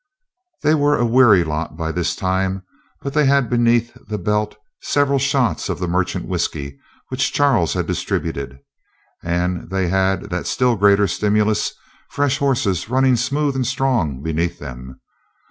They were a weary lot by this time, but they had beneath the belt several shots of the Merchant whisky which Charles had distributed. And they had that still greater stimulus fresh horses running smooth and strong beneath them.